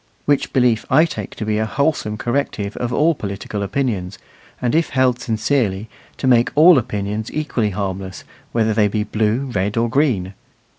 Which belief I take to be a wholesome corrective of all political opinions, and, if held sincerely, to make all opinions equally harmless, whether they be blue, red, or green.